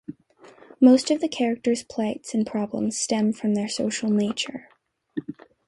Most of the characters’ plights and problems stem from their social nature.